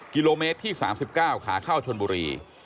กิโลเมตรที่๓๙ขาเข้าชนบุรี